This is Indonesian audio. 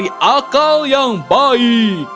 inilah peri yang baik yang paling murni akan menginspirasimu